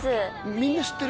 みんな知ってる？